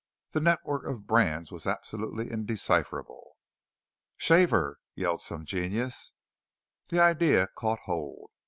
The network of brands was absolutely indecipherable. "Shave her!" yelled some genius. That idea caught hold.